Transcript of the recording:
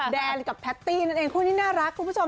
แดนกับแพตตี้นั่นเองคู่นี้น่ารักคุณผู้ชม